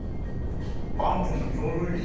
あんこもちょうどいい。